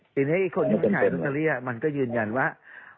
จริงคนที่มันขายรุ่นนาฬิมันก็ยืนยันว่า